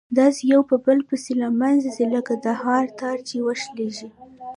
داسي يو په بل پسي له منځه ځي لكه د هار تار چي وشلېږي